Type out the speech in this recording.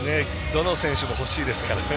どの選手も欲しいですからね。